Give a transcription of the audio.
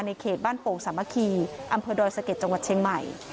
เขตบ้านโป่งสามัคคีอำเภอดอยสะเก็ดจังหวัดเชียงใหม่